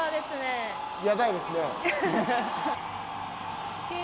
やばいですね。